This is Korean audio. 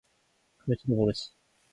그럴지도 모르지.